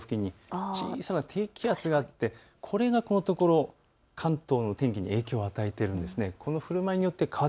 低気圧があって、これがこのところ、関東の天気に影響を与えているんです。